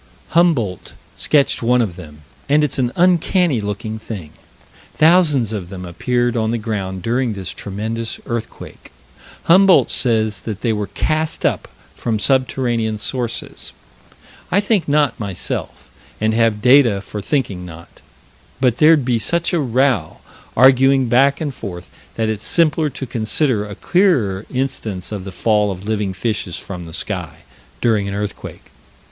Humboldt sketched one of them, and it's an uncanny looking thing. Thousands of them appeared upon the ground during this tremendous earthquake. Humboldt says that they were cast up from subterranean sources. I think not myself, and have data for thinking not, but there'd be such a row arguing back and forth that it's simpler to consider a clearer instance of the fall of living fishes from the sky, during an earthquake.